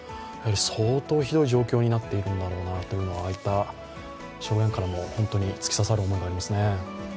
相当ひどい状況になっているんだろうなというのは、ああいった証言からも本当に突き刺さる思いがありますね。